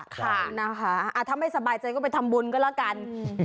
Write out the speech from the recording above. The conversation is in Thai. ถ้าไม่สบายใจก็ไปทำบุญก็แล้วกัน